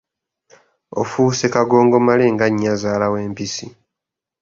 Ofuuse kagongomale, nga nnyazaala w’empisi.